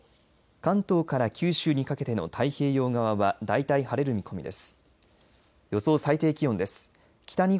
関東から九州にかけての太平洋側は大体晴れる見込みです。